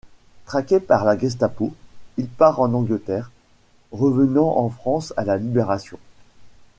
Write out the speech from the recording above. Traqué par la Gestapo, il part en Angleterre, revenant en France à la Libération.